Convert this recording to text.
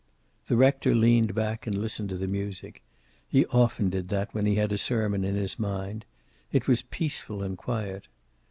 The rector leaned back, and listened to the music. He often did that when he had a sermon in his mind. It was peaceful and quiet.